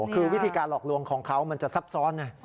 คือวิธีการหลอกลวงของเขามันจะซับซ้อนไง